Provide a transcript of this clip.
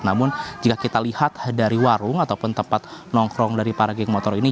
namun jika kita lihat dari warung ataupun tempat nongkrong dari para geng motor ini